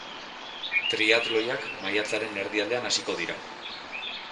Triatloiak maiatzaren erdialdean hasiko dira.